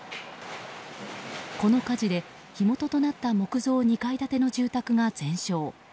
この火事で、火元となった木造２階建ての住宅が全焼。